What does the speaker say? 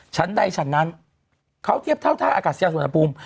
ชั้นใดชั้นนั้นเขาเทียบเท่าท่าอากาศยาสุวรรณภูมิ